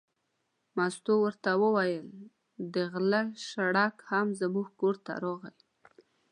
مستو ورته وویل: د غله شړک هم زموږ کور ته راغی.